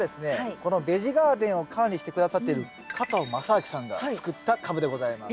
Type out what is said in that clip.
このベジガーデンを管理して下さっている加藤正明さんが作ったカブでございます。